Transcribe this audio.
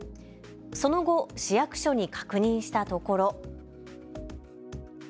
その後、市役所に確認したところ。